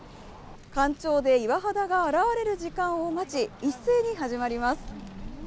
干潮で岩肌が現れる時間を待ち、一斉に始まります。